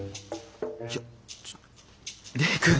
いやちょ蓮くん